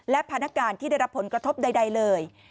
และพนักการที่ได้รับผลกระทบใดเลย